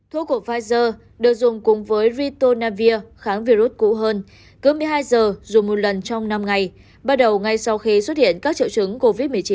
thuốc của pfizer được dùng cùng với retonavir kháng virus cũ hơn cứ một mươi hai giờ dù một lần trong năm ngày bắt đầu ngay sau khi xuất hiện các triệu chứng covid một mươi chín